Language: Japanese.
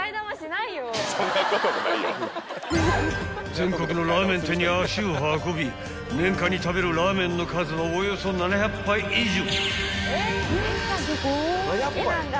［全国のラーメン店に足を運び年間に食べるラーメンの数はおよそ７００杯以上］